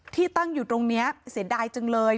ที่ตั้งอยู่ตรงนี้เสียดายจังเลย